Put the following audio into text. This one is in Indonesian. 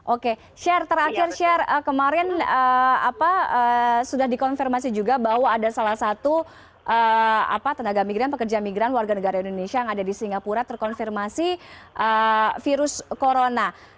oke sher terakhir sher kemarin sudah dikonfirmasi juga bahwa ada salah satu tenaga migran pekerja migran warga negara indonesia yang ada di singapura terkonfirmasi virus corona